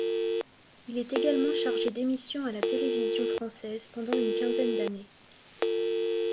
Il est également chargé d'émissions à la télévision française pendant une quinzaine d'années.